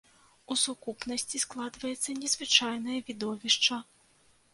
У сукупнасці складваецца незвычайнае відовішча.